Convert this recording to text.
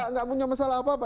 nggak punya masalah apa apa